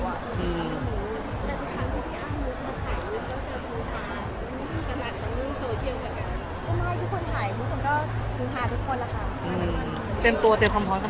แค่ไฟไลท์ต้องตัดออกแล้วก็เริ่มใหม่นะครับ